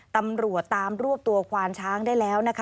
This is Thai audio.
ตำรวจตามรวบตัวควานช้างได้แล้วนะคะ